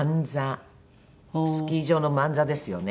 スキー場の万座ですよね。